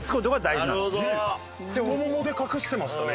太ももで隠してましたね